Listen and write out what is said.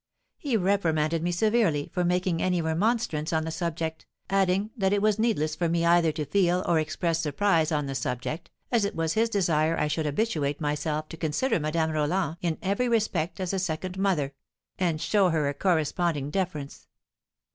He reprimanded me severely for making any remonstrance on the subject, adding that it was needless for me either to feel or express surprise on the subject, as it was his desire I should habituate myself to consider Madame Roland in every respect as a second mother, and show her a corresponding deference.